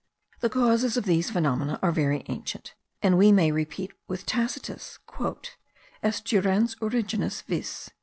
The causes of these phenomena are very ancient, and we may repeat with Tacitus, "est durans originis vis."